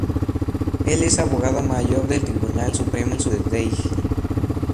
Él es abogado mayor del Tribunal Supremo de Delhi.